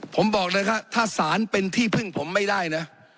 ผมบอกเลยครับถ้าศาลเป็นที่พึ่งผมไม่ได้นะ